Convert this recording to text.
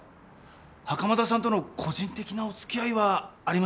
袴田さんとの個人的なお付き合いはありませんでしたか？